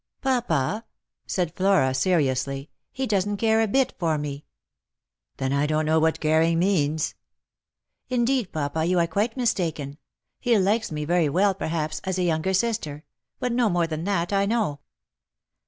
"" Papa," said Flora seriously, " he doesn't care a bit for me." " Then I don't know what caring means." " Indeed, papa, you are quite mistaken. He likes me very well, perhaps, as a younger sister ; but no more than that, I know."